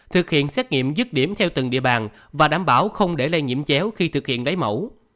thực hiện xét nghiệm dứt điểm theo từng địa bàn và đảm bảo không để lây nhiễm chéo khi thực hiện lấy mẫu